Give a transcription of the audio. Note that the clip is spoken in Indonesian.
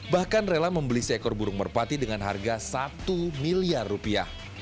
bahkan rela membeli seekor burung merpati dengan harga satu miliar rupiah